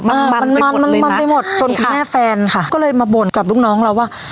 อ่ามันมันไปหมดจนคุณแม่แฟนค่ะก็เลยมาบ่นกับลูกน้องเราว่า